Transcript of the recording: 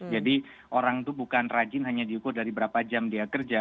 jadi orang tuh bukan rajin hanya diukur dari berapa jam dia kerja